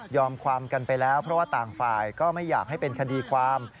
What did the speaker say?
ความกันไปแล้วเพราะว่าต่างฝ่ายก็ไม่อยากให้เป็นคดีความ